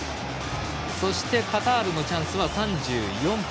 そして、カタールのチャンスは３４分。